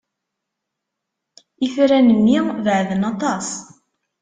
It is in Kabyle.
Itran-nni beɛden aṭas.